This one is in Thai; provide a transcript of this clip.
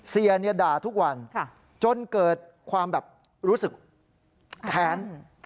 เสียด่าทุกวันจนเกิดความแบบรู้สึกแค้น